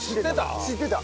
知ってた？